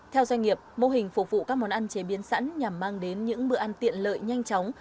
theo doanh nghiệp mô hình phục vụ các món ăn chế biến sẵn nhằm mang đến những bữa ăn tiện lợi nhanh chóng